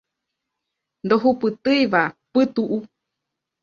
Ndohupytýiva pytu'u